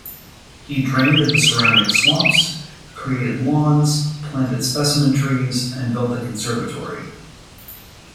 He drained the surrounding swamps, created lawns, planted specimen trees, and built the conservatory.